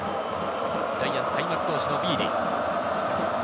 ジャイアンツ開幕投手のビーディ。